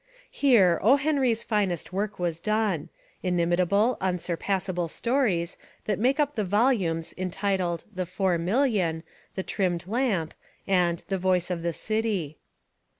Here O. Henry's finest work was done, — inimitable, unsurpassable stories that make up the volumes entitled The Four Million, The Trimmed Lamp, and The Voice of the City.